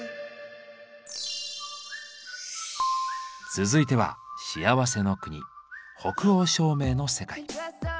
続いては幸せの国北欧照明の世界。